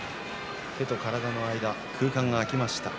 手と体の間、空間が開きました。